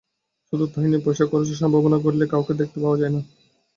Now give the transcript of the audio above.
শুধু তাই নয়, পয়সা খরচের সম্ভাবনা ঘটলেই কাউকে দেখতে পাওয়া যায় না।